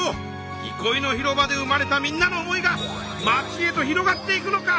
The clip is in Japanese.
いこいの広場で生まれたみんなの思いが町へと広がっていくのか！